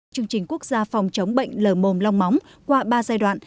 chương trình quốc gia phòng chống bệnh lở mồm long móng qua ba giai đoạn